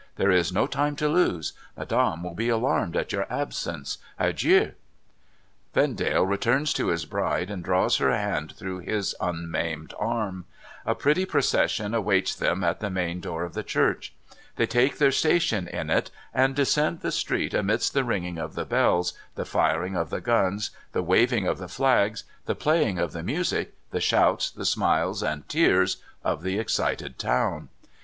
There is no time to lose. Madame will be alarmed by your absence. Adieu !' Vendale returns to his bride, and draws her hand through his unmaimed arm. A pretty procession aw^aits them at the main door of the church. They take their station in it, and descend the street amidst the ringing of the bells, the firing of the guns, the waving of the flags, the playing of the music, the shouts, the smiles, and tears, of the excited town.